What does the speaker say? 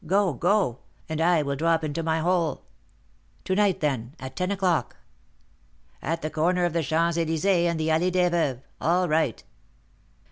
Go, go, and I will drop into my hole." "To night, then, at ten o'clock." "At the corner of the Champs Elysées and the Allée des Veuves; all right."